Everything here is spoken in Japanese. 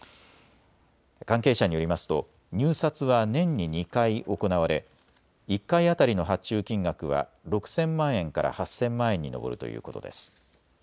関係者によりますと入札は年に２回行われ１回当たりの発注金額は６０００万円から８０００万円に上るということです。